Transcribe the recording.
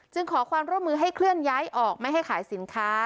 ขอความร่วมมือให้เคลื่อนย้ายออกไม่ให้ขายสินค้า